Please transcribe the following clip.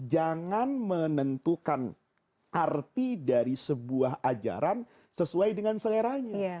jangan menentukan arti dari sebuah ajaran sesuai dengan seleranya